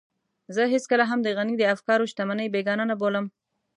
زه هېڅکله هم د غني د افکارو شتمنۍ بېګانه نه بولم.